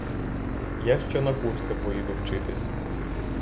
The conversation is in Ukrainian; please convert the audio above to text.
Я ще на курси поїду вчитись.